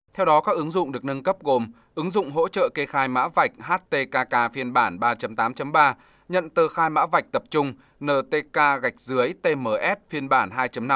theo đó các ứng dụng được nâng cấp gồm ứng dụng hỗ trợ kê khai mã vạch htkk phiên bản ba tám ba nhận tờ khai mã vạch tập trung ntk tms phiên bản hai năm bảy